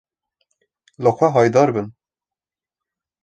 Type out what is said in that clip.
Li xwe haydarbin.